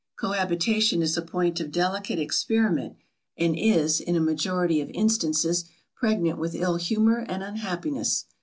Cohabitation is a point of delicate experiment, and is, in a majority of instances, pregnant with ill humour and unhappiness.